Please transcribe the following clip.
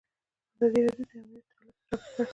ازادي راډیو د امنیت حالت په ډاګه کړی.